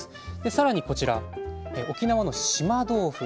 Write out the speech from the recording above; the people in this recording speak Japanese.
さらにこちら沖縄の島豆腐。